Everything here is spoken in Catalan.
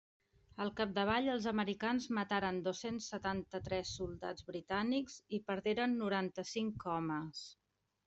Al capdavall els americans mataren dos-cents setanta-tres soldats britànics i perderen noranta-cinc homes.